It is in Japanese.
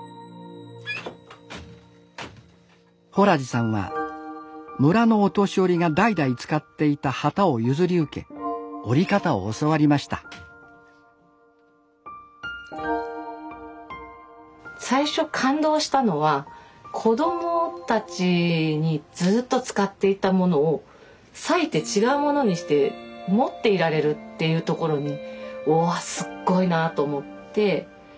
洞地さんは村のお年寄りが代々使っていた機を譲り受け織り方を教わりました最初感動したのは子どもたちにずっと使っていたものを裂いて違うものにして持っていられるっていうところに「おおすっごいな」と思って。